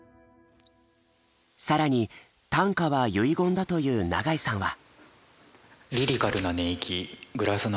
更に短歌は遺言だという永井さんは。